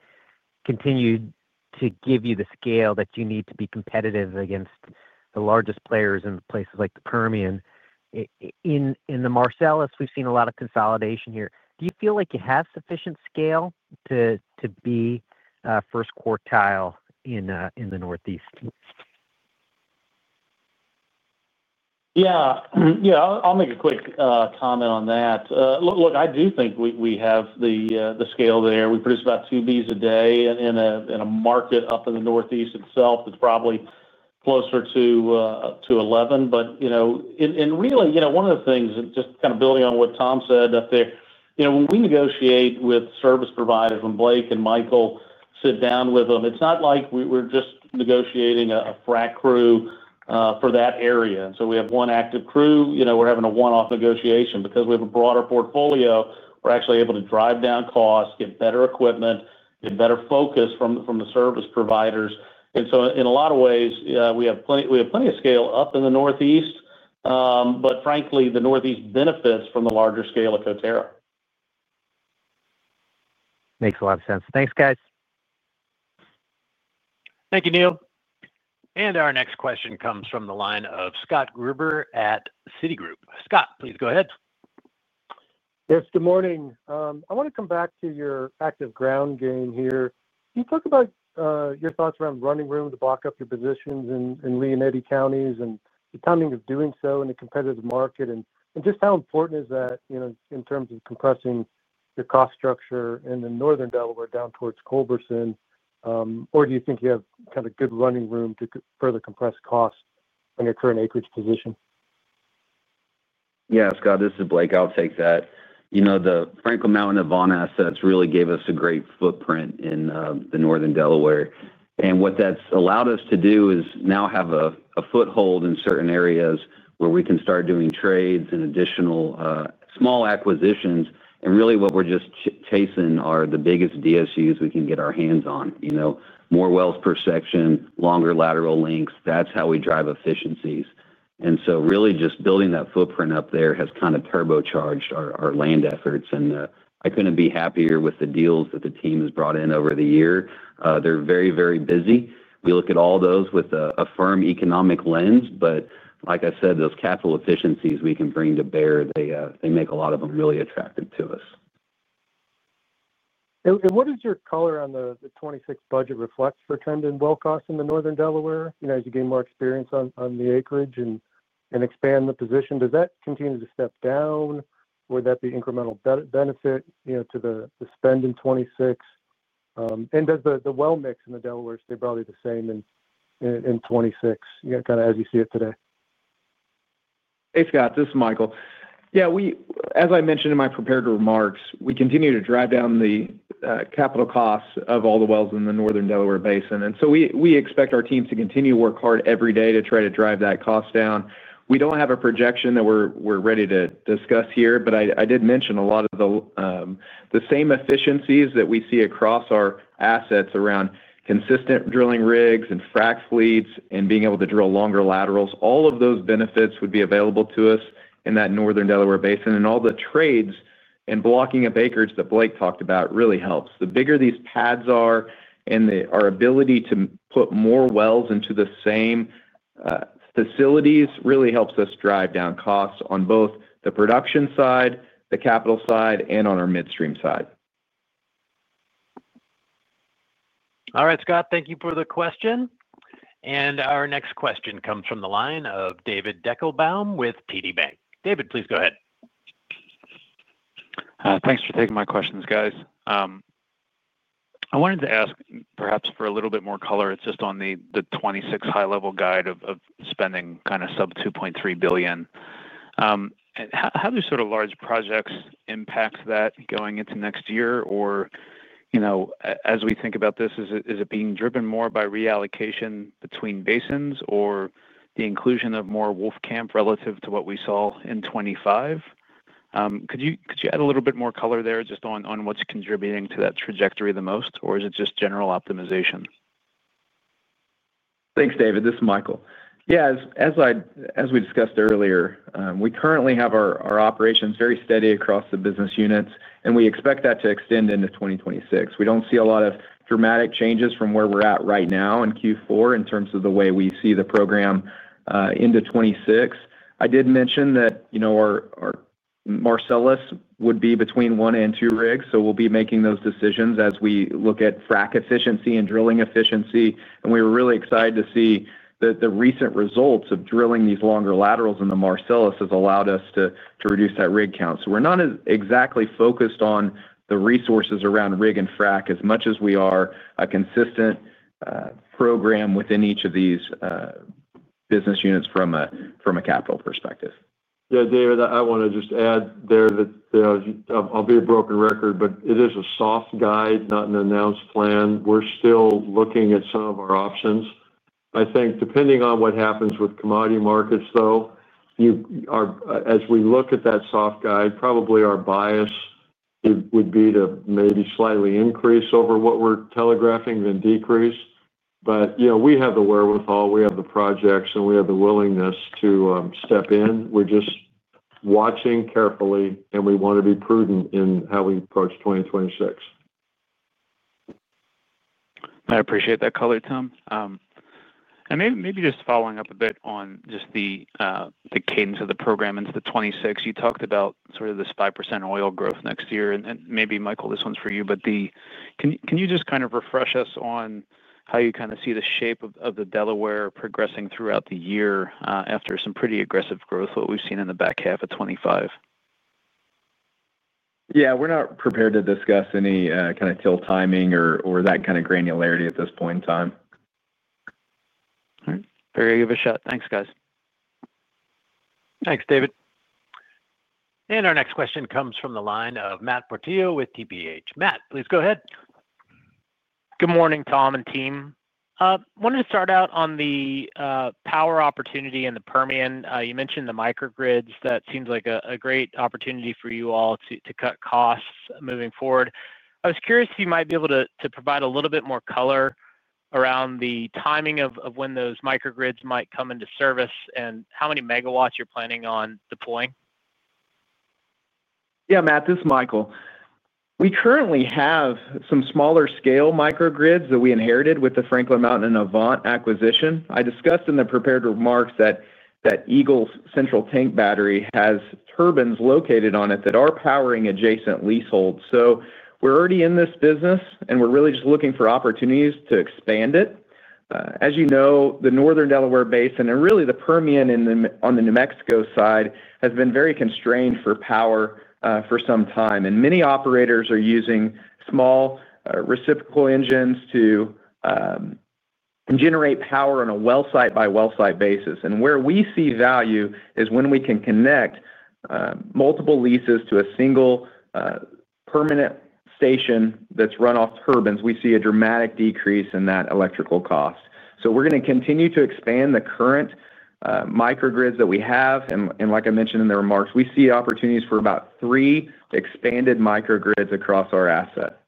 continued to give you the scale that you need to be competitive against the largest players in places like the Permian. In the Marcellus, we've seen a lot of consolidation here. Do you feel like you have sufficient scale to be first quartile in the Northeast? Yeah. Yeah, I'll make a quick comment on that. Look, I do think we have the scale there. We produce about 2 Bcf a day in a market up in the Northeast itself that's probably closer to 11 Bcf. But. And really, one of the things, just kind of building on what Tom said up there, when we negotiate with service providers, when Blake and Michael sit down with them, it's not like we're just negotiating a frac crew for that area. And so we have one active crew. We're having a one-off negotiation. Because we have a broader portfolio, we're actually able to drive down costs, get better equipment, get better focus from the service providers. And so in a lot of ways, we have plenty of scale up in the Northeast. But frankly, the Northeast benefits from the larger scale of Coterra. Makes a lot of sense. Thanks, guys. Thank you, Neil. And our next question comes from the line of Scott Gruber at Citigroup. Scott, please go ahead. Yes, good morning. I want to come back to your active ground game here. Can you talk about your thoughts around running room to block up your positions in Lea and Eddy counties and the timing of doing so in a competitive market? And just how important is that in terms of compressing your cost structure in the Northern Delaware down towards Culberson? Or do you think you have kind of good running room to further compress costs on your current acreage position? Yeah, Scott, this is Blake. I'll take that. The Franklin Mountain Avant assets really gave us a great footprint in the Northern Delaware Basin. And what that's allowed us to do is now have a foothold in certain areas where we can start doing trades and additional small acquisitions. And really, what we're just chasing are the biggest DSUs we can get our hands on. More wells per section, longer lateral lengths. That's how we drive efficiencies. And so really, just building that footprint up there has kind of turbocharged our land efforts. And I couldn't be happier with the deals that the team has brought in over the year. They're very, very busy. We look at all those with a firm economic lens. But like I said, those capital efficiencies we can bring to bear, they make a lot of them really attractive to us. And what does your color on the 2026 budget reflect for trend in well cost in the Northern Delaware? As you gain more experience on the acreage and expand the position, does that continue to step down? Or would that be incremental benefit to the spend in 2026? And does the well mix in the Delaware stay broadly the same in 2026, kind of as you see it today? Hey, Scott, this is Michael. Yeah, as I mentioned in my prepared remarks, we continue to drive down the capital costs of all the wells in the Northern Delaware Basin. And so we expect our teams to continue to work hard every day to try to drive that cost down. We don't have a projection that we're ready to discuss here, but I did mention a lot of the same efficiencies that we see across our assets around consistent drilling rigs and frac fleets and being able to drill longer laterals. All of those benefits would be available to us in that Northern Delaware Basin. And all the trades and blocking up acreage that Blake talked about really helps. The bigger these pads are and our ability to put more wells into the same facilities really helps us drive down costs on both the production side, the capital side, and on our midstream side. All right, Scott, thank you for the question. And our next question comes from the line of David Deckelbaum with TD Bank. David, please go ahead. Thanks for taking my questions, guys. I wanted to ask perhaps for a little bit more color. It's just on the 2026 high-level guide of spending kind of sub-$2.3 billion. How do sort of large projects impact that going into next year? Or. As we think about this, is it being driven more by reallocation between basins or the inclusion of more Wolfcamp relative to what we saw in 2025? Could you add a little bit more color there just on what's contributing to that trajectory the most, or is it just general optimization? Thanks, David. This is Michael. Yeah, as we discussed earlier, we currently have our operations very steady across the business units, and we expect that to extend into 2026. We don't see a lot of dramatic changes from where we're at right now in Q4 in terms of the way we see the program into '26. I did mention that. Our Marcellus would be between one and two rigs. So we'll be making those decisions as we look at frac efficiency and drilling efficiency. And we were really excited to see that the recent results of drilling these longer laterals in the Marcellus has allowed us to reduce that rig count. So we're not exactly focused on the resources around rig and frac as much as we are a consistent program within each of these business units from a capital perspective. Yeah, David, I want to just add there that I'll be a broken record, but it is a soft guide, not an announced plan. We're still looking at some of our options. I think depending on what happens with commodity markets, though, as we look at that soft guide, probably our bias would be to maybe slightly increase over what we're telegraphing than decrease. But we have the wherewithal, we have the projects, and we have the willingness to step in. We're just watching carefully, and we want to be prudent in how we approach 2026. I appreciate that color, Tom. And maybe just following up a bit on just the cadence of the program into the 2026, you talked about sort of this 5% oil growth next year. And maybe, Michael, this one's for you, but can you just kind of refresh us on how you kind of see the shape of the Delaware progressing throughout the year after some pretty aggressive growth, what we've seen in the back half of 2025? Yeah, we're not prepared to discuss any kind of TIL timing or that kind of granularity at this point in time. All right. Very good of a shot. Thanks, guys. Thanks, David. And our next question comes from the line of Matt Portillo with TPH. Matt, please go ahead. Good morning, Tom and team. I wanted to start out on the power opportunity in the Permian. You mentioned the microgrids. That seems like a great opportunity for you all to cut costs moving forward. I was curious if you might be able to provide a little bit more color around the timing of when those microgrids might come into service and how many megawatts you're planning on deploying. Yeah, Matt, this is Michael. We currently have some smaller scale microgrids that we inherited with the Franklin Mountain and Avant acquisition. I discussed in the prepared remarks that Eagle's central tank battery has turbines located on it that are powering adjacent leaseholds. So we're already in this business, and we're really just looking for opportunities to expand it. As you know, the northern Delaware Basin and really the Permian on the New Mexico side has been very constrained for power for some time. And many operators are using small reciprocating engines to generate power on a well site by well site basis. And where we see value is when we can connect multiple leases to a single permanent station that's run off turbines; we see a dramatic decrease in that electrical cost. So we're going to continue to expand the current microgrids that we have. And like I mentioned in the remarks, we see opportunities for about three expanded microgrids across our asset.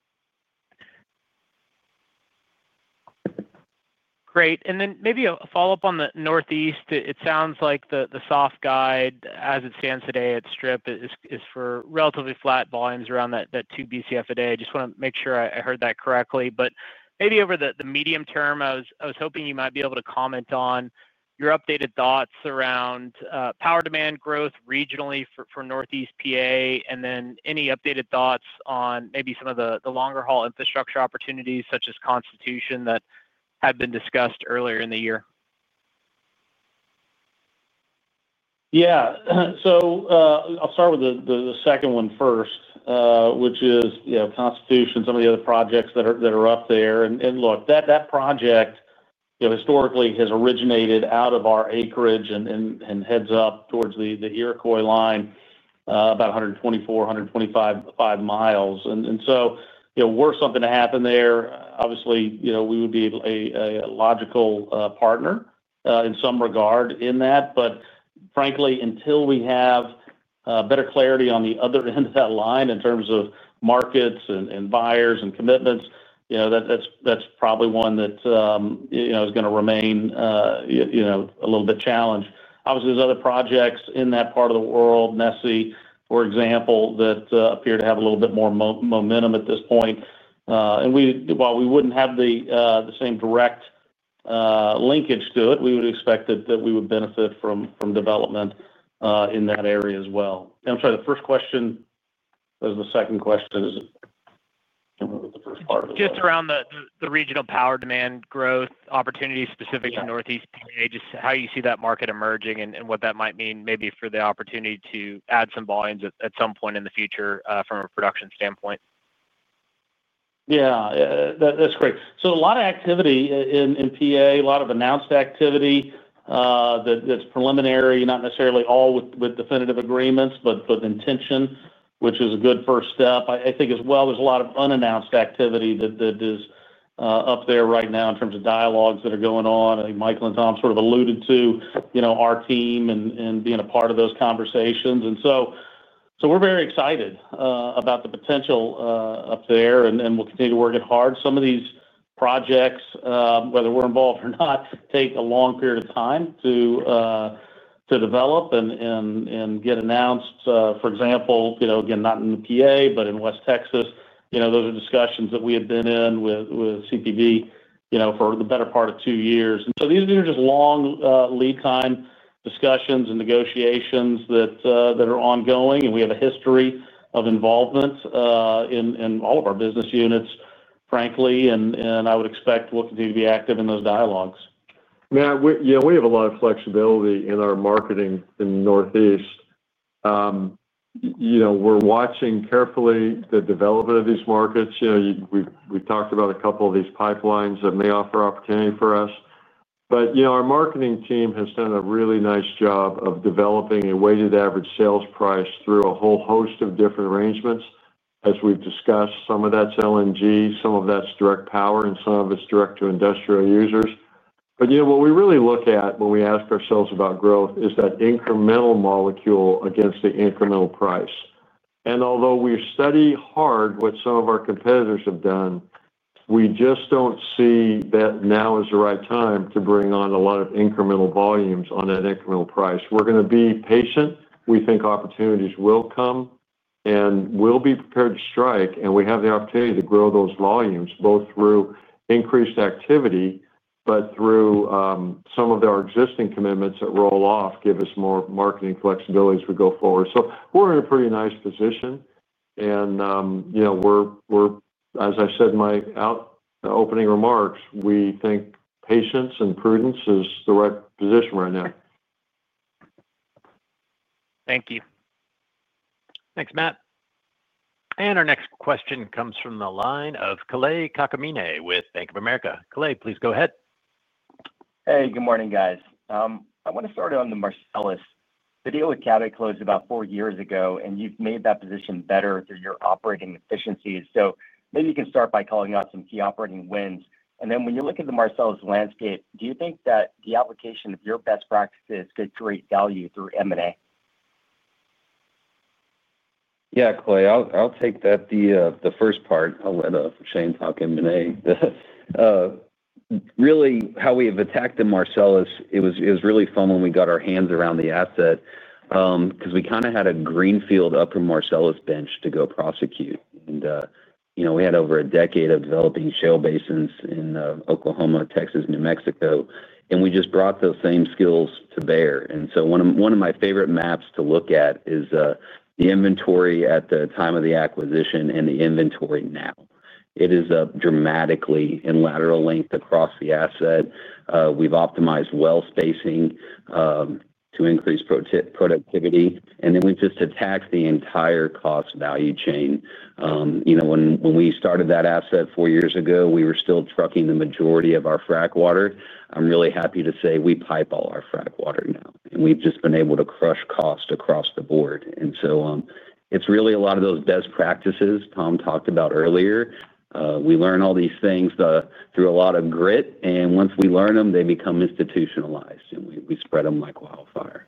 Great. And then maybe a follow-up on the Northeast. It sounds like the soft guide, as it stands today at strip, is for relatively flat volumes around that 2 Bcf a day. I just want to make sure I heard that correctly. But maybe over the medium term, I was hoping you might be able to comment on your updated thoughts around power demand growth regionally for Northeast PA, and then any updated thoughts on maybe some of the longer haul infrastructure opportunities such as Constitution that have been discussed earlier in the year. Yeah. So I'll start with the second one first, which is Constitution, some of the other projects that are up there. And look, that project historically has originated out of our acreage and heads up towards the Iroquois line. About 124-125 miles. And so were something to happen there, obviously, we would be a logical partner in some regard in that. But frankly, until we have better clarity on the other end of that line in terms of markets and buyers and commitments, that's probably one that is going to remain a little bit challenged. Obviously, there's other projects in that part of the world, Nessie, for example, that appear to have a little bit more momentum at this point. And while we wouldn't have the same direct linkage to it, we would expect that we would benefit from development in that area as well. I'm sorry, the first question was the second question. I can't remember the first part of it. Just around the regional power demand growth opportunity specific to Northeast PA, just how you see that market emerging and what that might mean maybe for the opportunity to add some volumes at some point in the future from a production standpoint? Yeah. That's great. So a lot of activity in PA, a lot of announced activity. That's preliminary, not necessarily all with definitive agreements, but intention, which is a good first step. I think as well, there's a lot of unannounced activity that is up there right now in terms of dialogues that are going on. I think Michael and Tom sort of alluded to our team and being a part of those conversations. And so we're very excited about the potential up there, and we'll continue to work it hard. Some of these projects, whether we're involved or not, take a long period of time to develop and get announced. For example, again, not in PA, but in West Texas, those are discussions that we had been in with CPV for the better part of two years. And so these are just long lead-time discussions and negotiations that are ongoing. And we have a history of involvement in all of our business units, frankly, and I would expect we'll continue to be active in those dialogues. Yeah, we have a lot of flexibility in our marketing in Northeast. We're watching carefully the development of these markets. We've talked about a couple of these pipelines that may offer opportunity for us, but our marketing team has done a really nice job of developing a weighted average sales price through a whole host of different arrangements, as we've discussed. Some of that's LNG, some of that's direct power, and some of it's direct to industrial users, but what we really look at when we ask ourselves about growth is that incremental molecule against the incremental price. And although we study hard what some of our competitors have done, we just don't see that now is the right time to bring on a lot of incremental volumes on that incremental price. We're going to be patient. We think opportunities will come, and we'll be prepared to strike. And we have the opportunity to grow those volumes both through increased activity, but through some of our existing commitments that roll off, give us more marketing flexibility as we go forward, so we're in a pretty nice position, and as I said in my opening remarks, we think patience and prudence is the right position right now. Thank you. Thanks, Matt. And our next question comes from the line of Kalei Akamine with Bank of America. Kale, please go ahead. Hey, good morning, guys. I want to start on the Marcellus. The deal with Cabot closed about four years ago, and you've made that position better through your operating efficiencies. So maybe you can start by calling out some key operating wins. And then when you look at the Marcellus landscape, do you think that the application of your best practices could create value through M&A? Yeah, Kalei, I'll take that, the first part. I'll let Shane talk M&A. Really, how we have attacked the Marcellus. It was really fun when we got our hands around the asset because we kind of had a greenfield upper Marcellus bench to go prosecute, and we had over a decade of developing shale basins in Oklahoma, Texas, New Mexico, and we just brought those same skills to bear, so one of my favorite maps to look at is the inventory at the time of the acquisition and the inventory now. It is dramatically in lateral length across the asset. We've optimized well spacing to increase productivity, and then we've just attacked the entire cost value chain. When we started that asset four years ago, we were still trucking the majority of our frac water. I'm really happy to say we pipe all our frac water now, and we've just been able to crush cost across the board, so it's really a lot of those best practices Tom talked about earlier. We learn all these things through a lot of grit, and once we learn them, they become institutionalized, and we spread them like wildfire.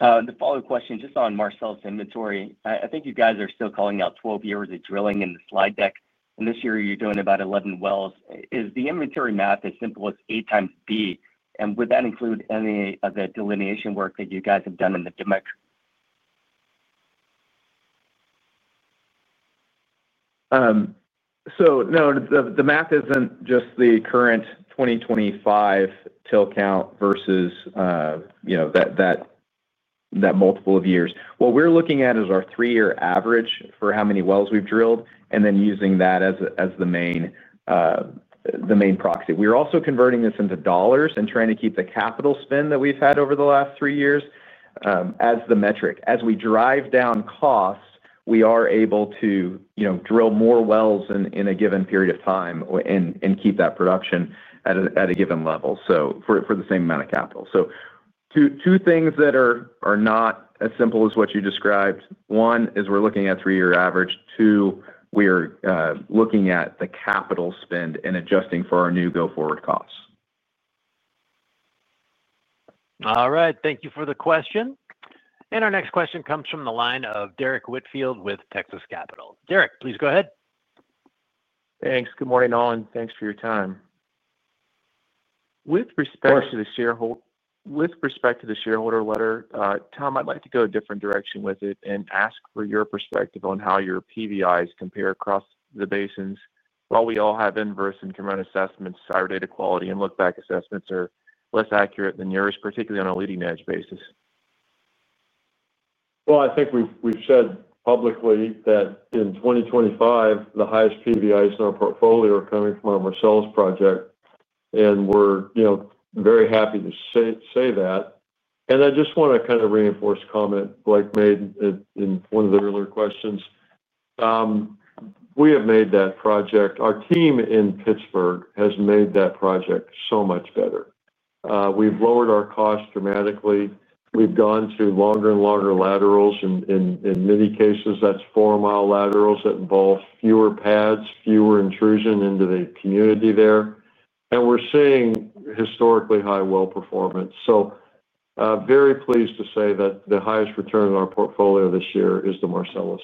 The follow-up question just on Marcellus inventory. I think you guys are still calling out 12 years of drilling in the slide deck. And this year, you're doing about 11 wells. Is the inventory math as simple as A times B? And would that include any of the delineation work that you guys have done in the DMIC? So no, the math isn't just the current 2025 TIL count versus that multiple of years. What we're looking at is our three-year average for how many wells we've drilled, and then using that as the main proxy. We're also converting this into dollars and trying to keep the capital spend that we've had over the last three years as the metric. As we drive down costs, we are able to drill more wells in a given period of time and keep that production at a given level for the same amount of capital, so two things that are not as simple as what you described. One is we're looking at a three-year average. Two, we are looking at the capital spend and adjusting for our new go-forward costs. All right. Thank you for the question. And our next question comes from the line of. Derek, please go ahead. Thanks. Good morning, all, and thanks for your time. With respect to the shareholder letter, Tom, I'd like to go a different direction with it and ask for your perspective on how your PVIs compare across the basins. While we all have inverse increment assessments, our data quality and look-back assessments are less accurate than yours, particularly on a leading-edge basis. I think we've said publicly that in 2025, the highest PVIs in our portfolio are coming from our Marcellus project. We're very happy to say that. I just want to kind of reinforce a comment Blake made in one of the earlier questions. We have made that project. Our team in Pittsburgh has made that project so much better. We've lowered our costs dramatically. We've gone to longer and longer laterals. In many cases, that's four-mile laterals that involve fewer pads, fewer intrusion into the community there. We're seeing historically high well performance. Very pleased to say that the highest return in our portfolio this year is the Marcellus.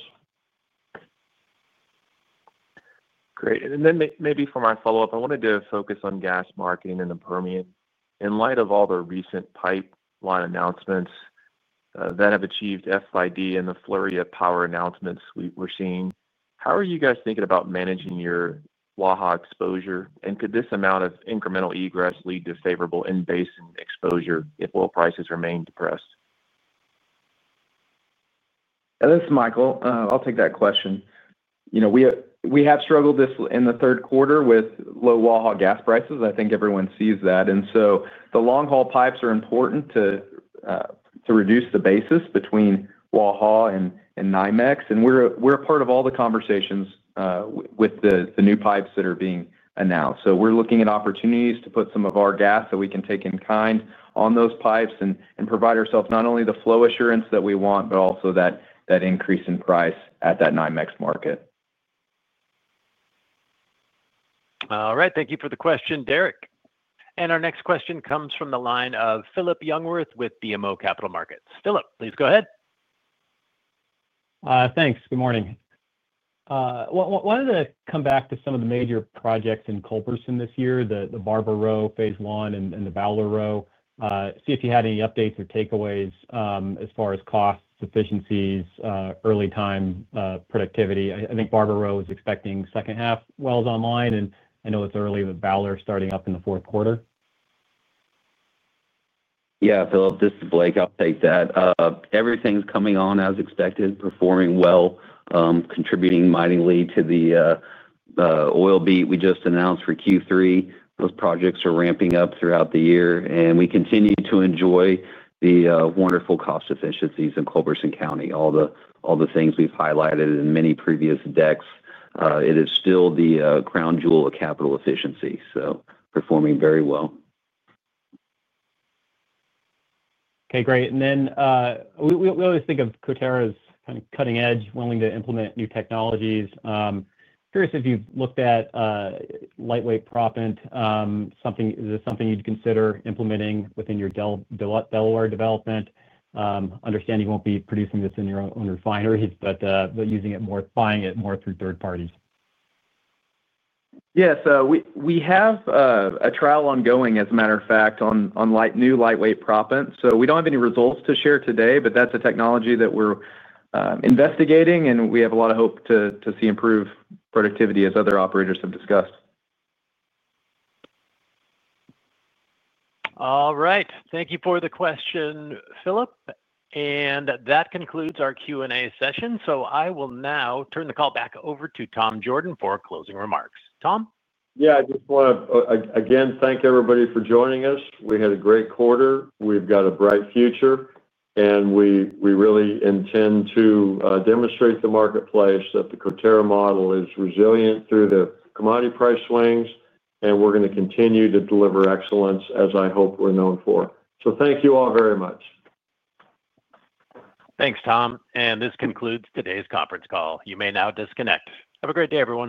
Great. And then maybe for my follow-up, I wanted to focus on gas marketing in the Permian. In light of all the recent pipeline announcements that have achieved FID and the flurry of power announcements we're seeing, how are you guys thinking about managing your Waha exposure? And could this amount of incremental egress lead to favorable in-basin exposure if oil prices remain depressed? This is Michael. I'll take that question. We have struggled in the third quarter with low Waha gas prices. I think everyone sees that, and so the long-haul pipes are important, too, to reduce the basis between Waha and NYMEX, and we're a part of all the conversations with the new pipes that are being announced, so we're looking at opportunities to put some of our gas that we can take in kind on those pipes and provide ourselves not only the flow assurance that we want, but also that increase in price at that NYMEX market. All right. Thank you for the question, Derrick. And our next question comes from the line of Philip Jungwirth with BMO Capital Markets. Philip, please go ahead. Thanks. Good morning. Well, I wanted to come back to some of the major projects in Culberson this year, the Barber Row Phase One and the Bowler Row. See if you had any updates or takeaways as far as costs, efficiencies, early-time productivity. I think Barber Row is expecting second-half wells online. And I know it's early with Valor starting up in the fourth quarter. Yeah, Philip, this is Blake. I'll take that. Everything's coming on as expected, performing well. Contributing mightily to the oil beat we just announced for Q3. Those projects are ramping up throughout the year, and we continue to enjoy the wonderful cost efficiencies in Culberson County. All the things we've highlighted in many previous decks, it is still the crown jewel of capital efficiency, so performing very well. Okay, great. And then we always think of Coterra as kind of cutting edge, willing to implement new technologies. Curious if you've looked at lightweight proppant. Is this something you'd consider implementing within your Delaware development? Understanding you won't be producing this in your own refineries, but using it more, buying it more through third parties. Yes. We have a trial ongoing, as a matter of fact, on new lightweight proppant. So we don't have any results to share today, but that's a technology that we're investigating. And we have a lot of hope to see improved productivity, as other operators have discussed. All right. Thank you for the question, Philip. And that concludes our Q&A session. So I will now turn the call back over to Tom Jorden for closing remarks. Tom? Yeah, I just want to again thank everybody for joining us. We had a great quarter. We've got a bright future. And we're going to continue to deliver excellence, as I hope we're known for. So thank you all very much. Thanks, Tom. And this concludes today's conference call. You may now disconnect. Have a great day everyone.